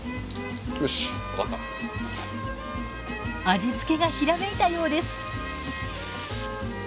味付けがひらめいたようです。